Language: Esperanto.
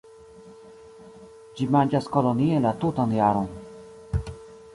Ĝi manĝas kolonie la tutan jaron.